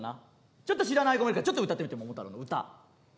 ちょっと知らない子もいるからちょっと歌ってみて「桃太郎」の歌。